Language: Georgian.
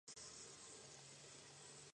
მანამდე პირდაპირი კავშირი ჰქონდა ზღვასთან.